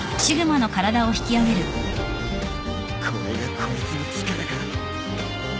これがこいつの力か！